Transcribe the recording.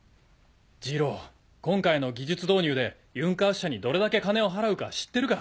二郎今回の技術導入でユンカース社にどれだけ金を払うか知ってるか？